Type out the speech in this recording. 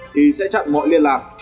thì sẽ chặn mọi liên lạc